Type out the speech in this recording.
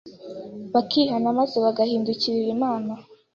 bakihana maze bagahindukirira Imana.